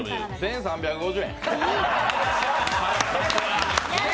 １３５０円。